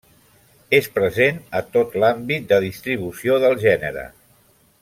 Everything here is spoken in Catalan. És present a tot l'àmbit de distribució del gènere.